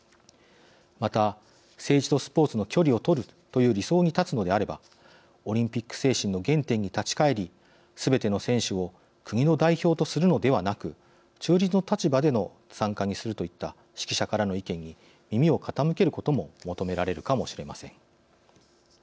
また政治とスポーツの距離を取るという理想に立つのであればオリンピック精神の原点に立ち返りすべての選手を国の代表とするのではなく中立の立場での参加にするといった識者からの意見に耳を傾けることも求められるかもしれません。